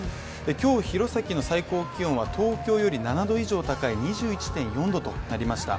今日、弘前の最高気温は東京より７℃以上高い２１．４℃となりました。